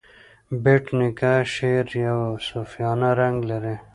بېټ نیکه شعر یو صوفیانه رنګ لري.